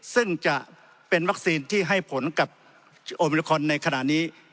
ซึ่งจะเป็นวัคซีนที่ให้ผลกับโอมิลิคอนในขณะนี้